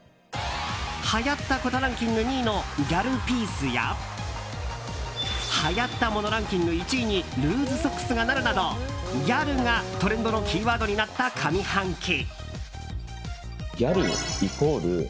流行ったコトランキング２位のギャルピースや流行ったモノランキング１位にルーズソックスがなるなどギャルが、トレンドのキーワードになった上半期。